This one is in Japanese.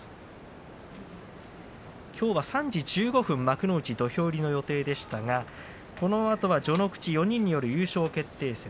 きょうは３時１５分幕内土俵入りの予定でしたがこのあとは序ノ口４人による優勝決定戦。